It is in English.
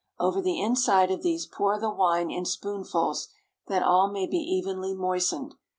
Over the inside of these pour the wine in spoonfuls, that all may be evenly moistened.